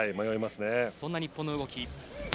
そんな日本の動き。